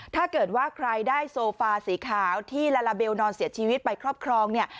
ถ้าเกิดว่าใครได้โซฟาสีขาวที่ลาลาเบลนอนเสียชีวิตไปครอบครองเนี่ย